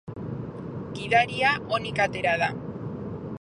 Gidaria onik atera da.